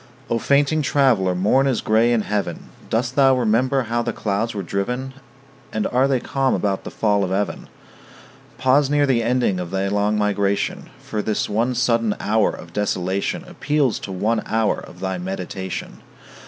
O fainting traveller, morn is gray in heaven. Dost thou remember how the clouds were driven? And are they calm about the fall of even? Pause near the ending of thy long migration; For this one sudden hour of desolation Appeals to one hour of thy meditation.